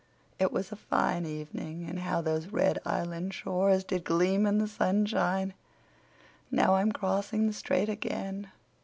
It was a fine evening; and how those red Island shores did gleam in the sunshine. Now I'm crossing the strait again.